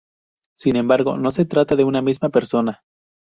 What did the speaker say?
Sin embargo, no se trata de una misma persona.